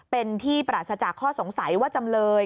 เป็นที่ปราศจากข้อสงสัยว่าจำเลย